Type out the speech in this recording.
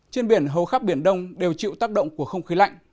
trên biển hầu khắp biển đông đều chịu tác động của không khí lạnh